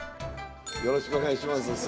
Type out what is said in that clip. よろしくお願いします